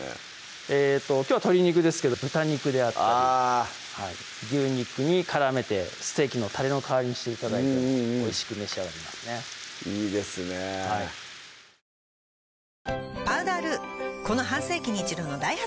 えーっときょうは鶏肉ですけど豚肉であったり牛肉に絡めてステーキのタレの代わりにして頂いてもおいしく召し上がれますねいいですねではですね